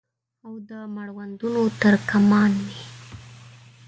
او د مړوندونو تر کمان مې